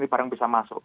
bagaimana yang bisa masuk